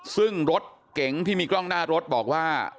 ซึ่งรถเก๋งที่มีกล้องหน้ารถบอกว่า